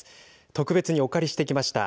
特別にお借りしてきました。